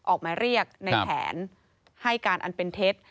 ออกมาเรียกในแผนให้การอันเป็นเท็จ